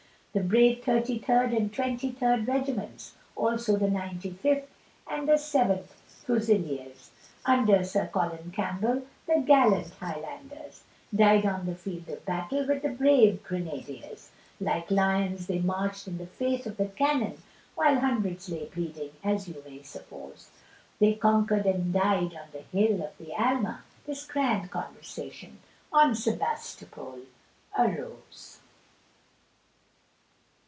The brave thirty third and twenty third regiments, Also the ninty fifth and the seventh fusiliers, Under Sir Colin Campbell the gallant highlanders, Died on the field of battle with the brave grenadiers, Like lions they marched in the face of the cannon, While hundreds lay bleeding as you may suppose, They conquered and died on the hill of the Alma, This grand conversation on Sebastopol arose.